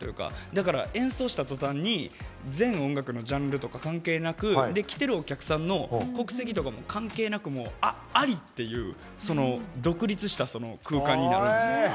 だから演奏した途端に全音楽のジャンルとか関係なく来てるお客さんの国籍とかも関係なくＡＬＩっていうその独立した空間になるんですよね。